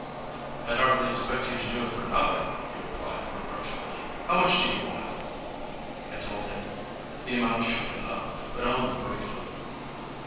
"I'd hardly expect you to do it for nothing," he replied reproachfully. "How much do you want?" I told him. The amount shook him up, but only briefly.